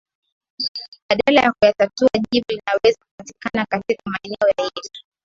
badala ya kuyatatua Jibu linaweza kupatikana katika maneno ya Yesu